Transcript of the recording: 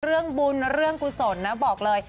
เรื่องบุญเรื่องกุศลนะบอกเลย